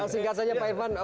singkat saja pak irvan